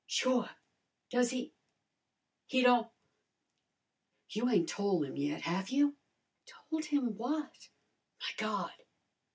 "Sure! Does he he don't you ain't tole 'im yet, have you?" "Told him what?" "My God!